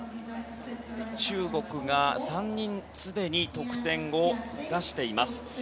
中国が３人すでに得点を出しています。